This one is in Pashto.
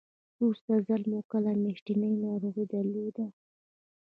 وروستی ځل مو کله میاشتنۍ ناروغي درلوده؟